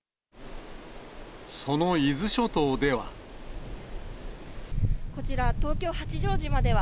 その伊豆諸島では。